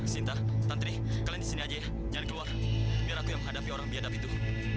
sinta tantri kalian di sini aja ya nyari keluar biar aku yang menghadapi orang biadab itu